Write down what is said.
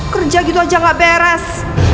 kerja gitu aja gak beres